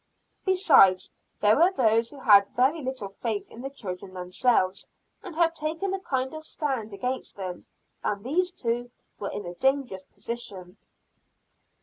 Besides, there were those who had very little faith in the children themselves, and had taken a kind of stand against them; and these too, were in a dangerous position.